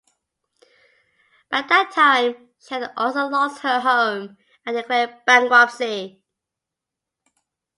By that time, she had also lost her home and declared bankruptcy.